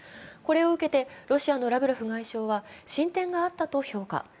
これを受けてロシアのラブロフ外相は進展があったと評価。